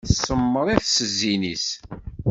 Tsemmeṛ-it s zzin-is.